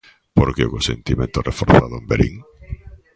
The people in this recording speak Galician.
¿Por que o consentimento reforzado en Verín?